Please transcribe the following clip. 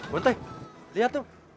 bontek lihat tuh